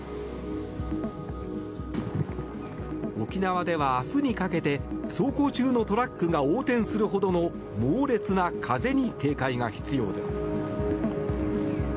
沖縄では明日にかけて走行中のトラックが横転するほどの猛烈な風に警戒が必要です。